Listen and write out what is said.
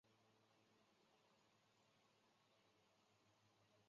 三氧化二磷由白磷在有限的氧气中燃烧得到。